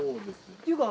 っていうか。